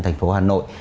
thành phố hà nội